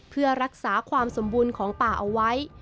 เพื่อรักษาความสมบูรณ์ของป่าเอาไว้